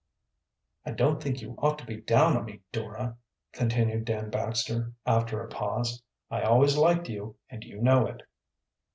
"I don't think you ought to be down on me, Dora," continued Dan Baxter, after a pause. "I always liked you, and you know it."